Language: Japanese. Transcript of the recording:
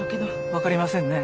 分かりませんね。